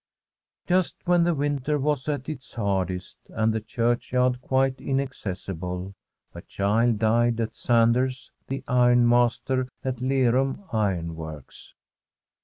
Just when the winter was at its hardest, and the churchyard quite inaccessible, a child died at Sander's, the ironmaster at Lerum ironworks.